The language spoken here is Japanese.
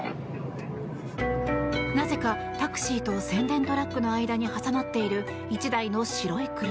なぜかタクシーと宣伝トラックの間に挟まっている、１台の白い車。